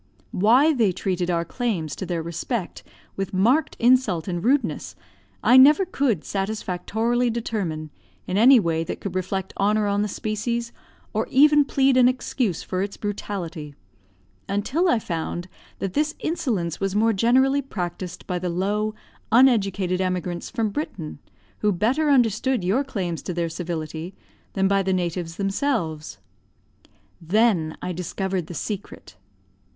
Why they treated our claims to their respect with marked insult and rudeness, I never could satisfactorily determine, in any way that could reflect honour on the species, or even plead an excuse for its brutality, until I found that this insolence was more generally practised by the low, uneducated emigrants from Britain, who better understood your claims to their civility, than by the natives themselves. Then I discovered the secret.